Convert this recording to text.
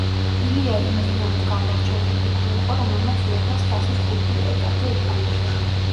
ილია იმ დინამოს გამორჩეული ფიგურა იყო, რომელმაც უეფა-ს თასის ჯგუფურ ეტაპზე ითამაშა.